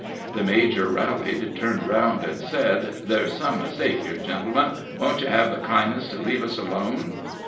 The major rallied, turned around, and said: "There's some mistake here, gentlemen. Won't you have the kindness to leave us alone?"